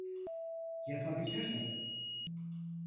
Yapabilirdim.